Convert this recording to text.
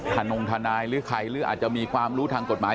ธนงทนายหรือใครหรืออาจจะมีความรู้ทางกฎหมาย